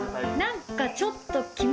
何かちょっと。